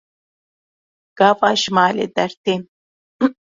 Gava ji malê dertêm.